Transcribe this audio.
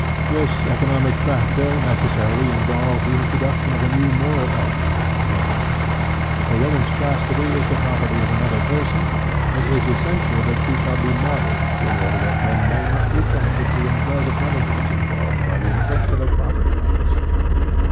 This economic factor necessarily involved the introduction of a new moral element into modesty. If a woman's chastity is the property of another person, it is essential that she shall be modest in order that men may not be tempted to incur the penalties involved by the infringement of property rights.